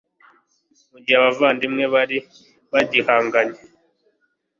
mu gihe abavandimwe bari bagihanganye